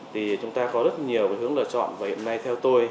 thì chúng ta có rất nhiều cái hướng lựa chọn và hiện nay theo tôi